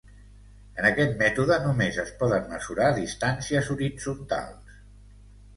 En aquest mètode només es poden mesurar distàncies horitzontals.